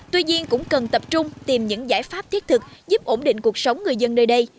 tuy nhiên cũng cần tập trung tìm những giải pháp thiết thực giúp ổn định cuộc sống người dân nơi đây